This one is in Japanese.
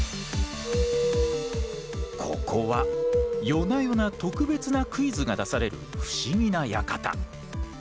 ここは夜な夜な特別なクイズが出される不思議な館。